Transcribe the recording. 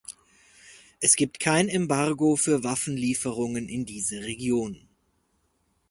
Es gibt kein Embargo für Waffenlieferungen in diese Region.